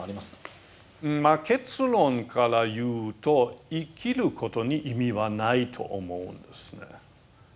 結論から言うと生きることに意味はないと思うんですね。